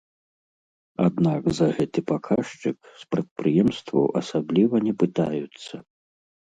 Аднак за гэты паказчык з прадпрыемстваў асабліва не пытаюцца.